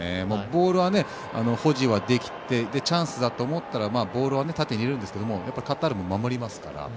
ボールは保持できてチャンスだと思ったらボールは縦に入れるんですがカタールも守りますから。